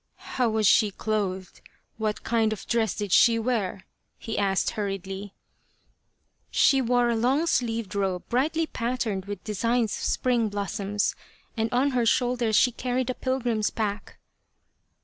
" How was she clothed ? What kind of dress did she wear ?" he asked hurriedly. " She wore a long sleeved robe brightly patterned with designs of spring blossoms, and on her shoulders she carried a pilgrim's pack."